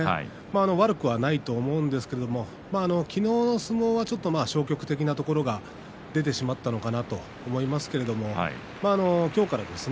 悪くはないと思うんですけれど昨日の相撲はちょっと消極的なところが出てしまったのかなと思いますけれど今日からですね